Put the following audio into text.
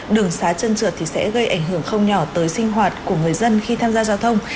đường xá chân trượt thì sẽ gây ảnh hưởng không nhỏ tới sinh hoạt của người dân khi tham gia giao thông